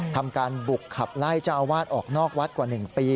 ทำการบุกขับไล่เจ้าอาวาสออกนอกวัดกว่า๑ปี